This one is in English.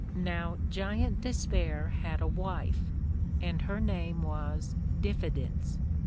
Now Giant Despair had a Wife, and her name was Diffidence.